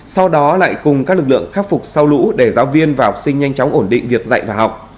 sau đó lại cùng các lực lượng khắc phục sau lũ để giáo viên và học sinh nhanh chóng ổn định việc dạy và học